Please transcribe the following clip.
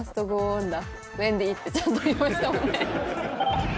「ウェンディ」ってちゃんと言いましたもんね。